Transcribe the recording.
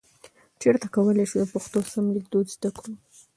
چیرته کولای شو د پښتو سم لیکدود زده کړو؟